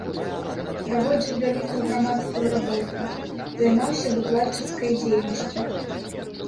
Праводзіў вялікую грамадскую работу, займаўся выкладчыцкай дзейнасцю.